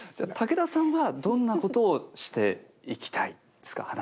武田さんはどんなことをしていきたいですか？